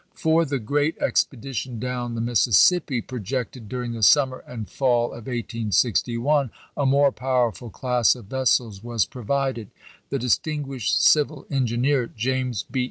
For the great expedition down the Mississippi, projected during the summer and fall of 1861, a more power ful class of vessels was provided.^ The distin guished civil engineer, James B.